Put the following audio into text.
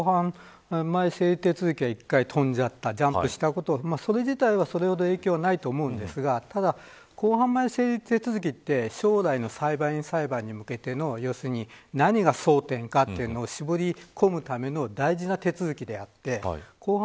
今回、公判前整理手続きが一回飛んじゃったことをそれ自体は、それほど影響はないと思うんですがただ、公判前整理手続きって将来の裁判員裁判に向けての何が争点かというのを絞り込むための大事な手続きであって公判